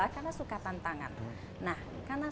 yang gua tadi sekolah